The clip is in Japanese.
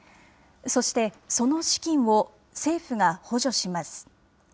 そして、その資金を政府が補助します。